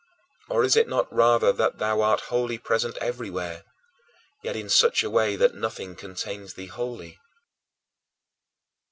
Or, is it not rather that thou art wholly present everywhere, yet in such a way that nothing contains thee wholly?